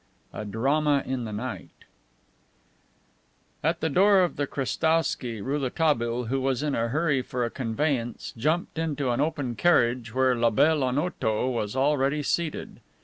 A DRAMA IN THE NIGHT At the door of the Krestowsky Rouletabille, who was in a hurry for a conveyance, jumped into an open carriage where la belle Onoto was already seated.